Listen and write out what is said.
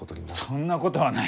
そんなことはない！